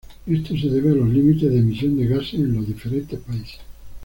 Esto se debe a los límites de emisión de gases en los diferentes países.